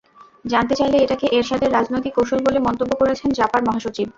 জানতে চাইলে এটাকে এরশাদের রাজনৈতিক কৌশল বলে মন্তব্য করেছেন জাপার মহাসচিব।